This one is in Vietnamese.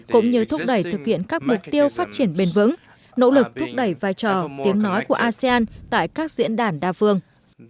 cũng như thúc đẩy thực hiện các mục tiêu phát triển bền vững nỗ lực thúc đẩy vai trò tiếng nói của asean tại các diễn đàn đa phương